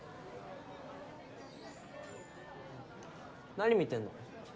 何見てんの？